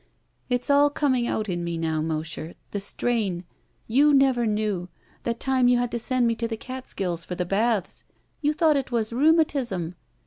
"It's all coming out in me now, Mosher. The straili. You never knew. That time you had to send me to the Catskills for the baths. You thought it was rhetmiatism.